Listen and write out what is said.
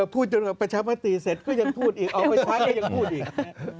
พูดจนประชามติเสร็จก็ยังพูดอีกเอาไปใช้ก็ยังพูดอีก